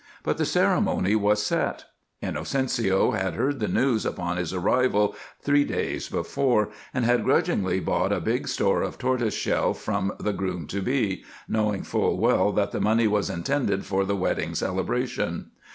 But the ceremony was set. Inocencio had heard the news upon his arrival three days before, and had grudgingly bought a big store of tortoise shell from the groom to be, knowing full well that the money was intended for the wedding celebration.